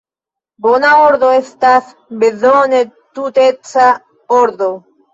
Bona ordo estas bezone tuteca ordo.